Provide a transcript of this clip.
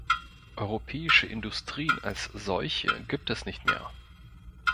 Europäische Industrien als solche gibt es nicht mehr.